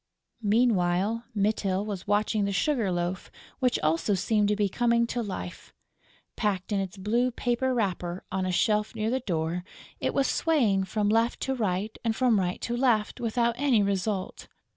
Meanwhile, Mytyl was watching the sugar loaf, which also seemed to be coming to life. Packed in its blue paper wrapper, on a shelf near the door, it was swaying from left to right and from right to left without any result.